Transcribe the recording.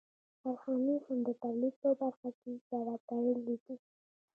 کارخانې هم د تولید په برخه کې سره تړلې دي